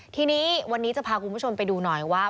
ทีนี้วันนี้จะพาคุณผู้ชมไปดูหน่อยว่า